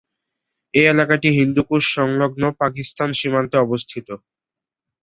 এই এলাকাটি হিন্দুকুশ সংলগ্ন পাকিস্তান সীমান্তে অবস্থিত।